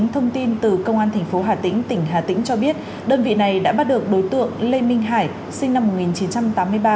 thông tin từ công an tp hà tĩnh tỉnh hà tĩnh cho biết đơn vị này đã bắt được đối tượng lê minh hải sinh năm một nghìn chín trăm tám mươi ba